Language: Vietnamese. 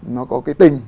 nó có cái tình